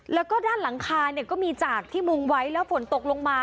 แล้วก็ด้านหลังคาเนี่ยก็มีจากที่มุงไว้แล้วฝนตกลงมา